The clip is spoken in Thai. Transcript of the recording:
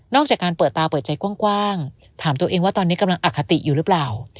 จากการเปิดตาเปิดใจกว้างถามตัวเองว่าตอนนี้กำลังอคติอยู่หรือเปล่า